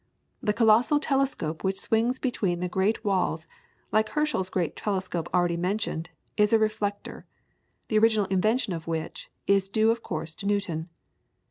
The colossal telescope which swings between the great walls, like Herschel's great telescope already mentioned, is a reflector, the original invention of which is due of course to Newton.